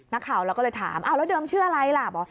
นักข่าวเราก็เลยถามแล้วเดิมชื่ออะไรล่ะบอก